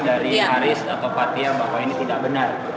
dari haris atau pathia bahwa ini tidak benar